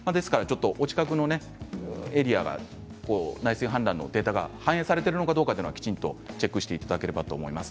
お近くのエリアが内水氾濫のデータが反映されているのかどうかきちんとチェックしていただければと思います。